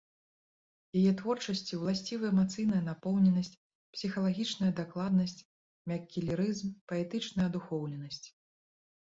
Яе творчасці ўласцівы эмацыйная напоўненасць, псіхалагічная дакладнасць, мяккі лірызм, паэтычная адухоўленасць.